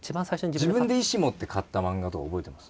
自分で意志持って買った漫画とか覚えてます？